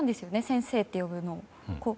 「先生」って呼ぶのを。